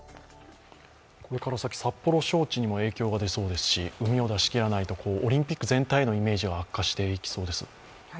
これから先、札幌招致にも影響が出そうだし、うみを出し切らないとオリンピック全体へのイメージが悪化していきそうです。